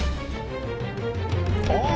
ああ！